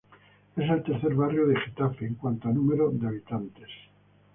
Es el tercer barrio de Getafe en cuanto a número de habitantes.